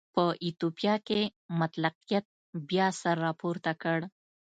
په ایتوپیا کې مطلقیت بیا سر راپورته کړ.